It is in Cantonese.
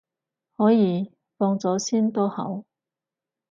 可以，放咗先都好